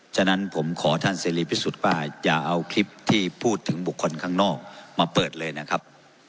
ฉะนั้นผมขอท่านเสรีพิสุทธิ์ว่าอย่าเอาคลิปที่พูดถึงบุคคลข้างนอกมาเปิดเลยนะครับ